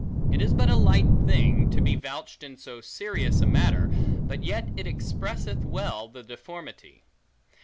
It is but a light thing, to be vouched in so serious a matter, but yet it expresseth well the deformity.